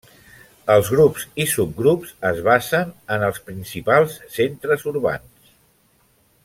Els grups i subgrups es basen en els principals centres urbans.